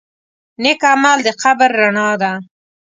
نیک عمل د قبر رڼا ده.